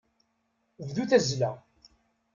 Bdu tazzla.